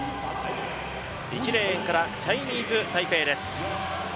１レーンからチャイニーズ・タイペイです。